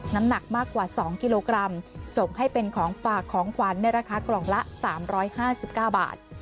น้ำหนักมากกว่าสองกิโลกรัมส่งให้เป็นของฝากของขวานในราคากล่องละสามร้อยห้าสิบก้าบาท